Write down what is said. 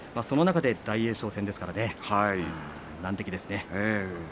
大栄翔戦ですから難敵ですね。